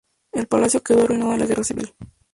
El palacio quedó arruinado en la Guerra Civil.